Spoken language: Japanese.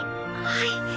はい。